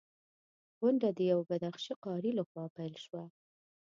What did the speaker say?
غونډه د یوه بدخشي قاري لخوا پیل شوه.